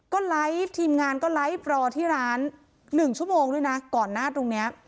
ก็ไลฟ์ทีมงานก็ไลฟ์รอที่ร้าน๑ชั่วโมงด้วยนะก่อนหน้าตรงนี้